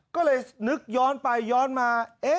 ก็เลยนึกย้อนไปย้อนมา